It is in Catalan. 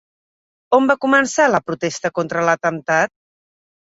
On va començar la protesta contra l'atemptat?